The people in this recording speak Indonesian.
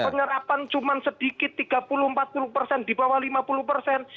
penyerapan cuma sedikit tiga puluh empat puluh persen di bawah lima puluh persen